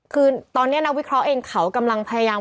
คือตอนนี้นักวิเคราะห์เองเขากำลังพยายาม